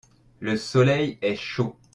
le soleil est chaud.